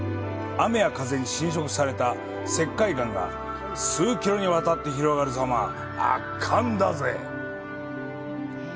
雨や風に侵食された石灰岩が数キロにわたって広がる様は圧巻だぜ！